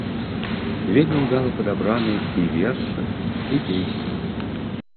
Вельмі ўдала падабраны і вершы, і песні.